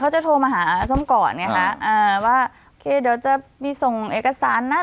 จะโทรมาหาส้มก่อนไงคะอ่าว่าเคเดี๋ยวจะมีส่งเอกสารนะ